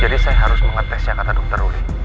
jadi saya harus mengetesnya kata dokter ruli